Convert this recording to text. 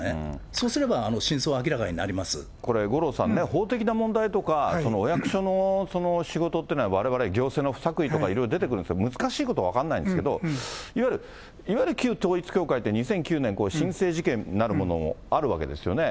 そうすれば真相は明らかになりまこれ五郎さんね、法的な問題とか、お役所の仕事というのは、われわれ行政の不作為とかいろいろ出てくるんですが、難しいこと分かんないんですけど、いわゆる旧統一教会って２００９年これ新世事件なるものもあるわけですよね。